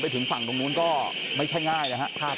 ถึงฝั่งตรงนู้นก็ไม่ใช่ง่ายนะครับ